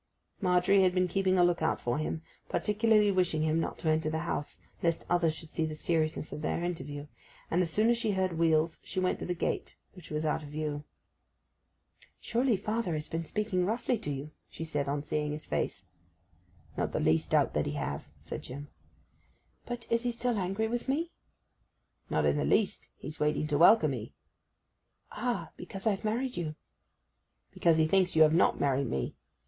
Margery had been keeping a look out for him, particularly wishing him not to enter the house, lest others should see the seriousness of their interview; and as soon as she heard wheels she went to the gate, which was out of view. 'Surely father has been speaking roughly to you!' she said, on seeing his face. 'Not the least doubt that he have,' said Jim. 'But is he still angry with me?' 'Not in the least. He's waiting to welcome 'ee.' 'Ah! because I've married you.' 'Because he thinks you have not married me!